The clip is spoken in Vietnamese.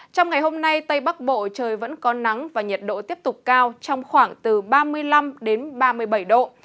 trong ngày hôm nay tây bắc bộ trời vẫn có nắng và nhiệt độ tiếp tục cao trong khoảng từ ba mươi năm đến ba mươi bảy độ